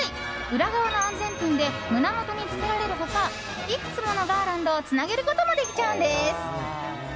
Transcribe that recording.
裏側の安全ピンで胸元につけられる他いくつものガーランドをつなげることもできちゃうんです。